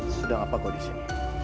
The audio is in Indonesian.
sedang apa kau disini